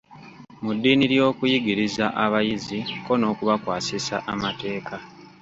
Mu ddimu ly’okuyigiriza abayizi kko n’okubakwasisa amateeka.